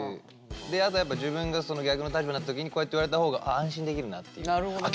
であとやっぱ自分が逆の立場になった時にこうやって言われた方がなるほどね。